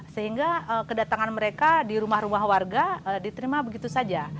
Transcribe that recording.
sehingga kedatangan mereka di rumah rumah warga diterima begitu saja